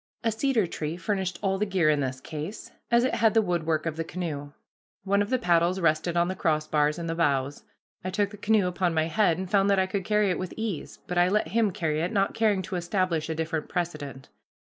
A cedar tree furnished all the gear in this case, as it had the woodwork of the canoe. One of the paddles rested on the crossbars in the bows. I took the canoe upon my head and found that I could carry it with ease, but I let him carry it, not caring to establish a different precedent.